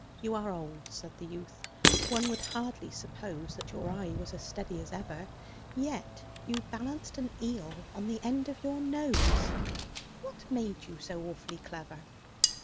"You are old," said the youth, "one would hardly suppose That your eye was as steady as ever; Yet you balanced an eel on the end of your nose What made you so awfully clever?"